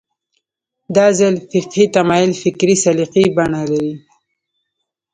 دا ځل فقهي تمایل فکري سلیقې بڼه لري